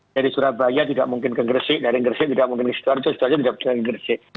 jadi surabaya tidak mungkin ke gresik dari gresik tidak mungkin ke setuarto setuarto tidak mungkin ke gresik